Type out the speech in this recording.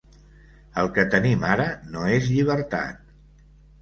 El que tenim ara no és llibertat.